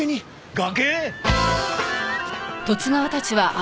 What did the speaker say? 崖！？